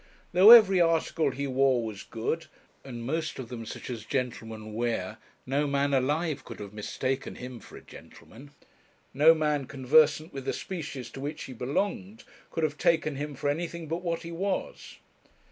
Though every article he wore was good, and most of them such as gentlemen wear, no man alive could have mistaken him for a gentleman. No man, conversant with the species to which he belonged, could have taken him for anything but what he was.